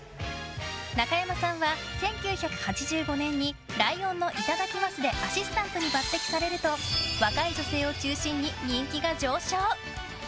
中山さんは１９８５年に「ライオンのいただきます」でアシスタントに抜擢されると若い女性を中心に人気が上昇。